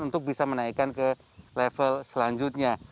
dan bisa menaikkan ke level selanjutnya